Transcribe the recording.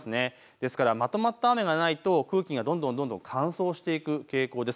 ですから、まとまった雨がないと空気がどんどん乾燥していく傾向です。